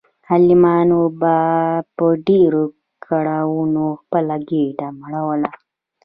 غلامانو به په ډیرو کړاوونو خپله ګیډه مړوله.